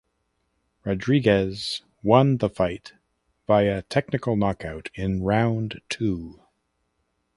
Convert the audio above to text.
Rodriguez won the fight via technical knockout in round two.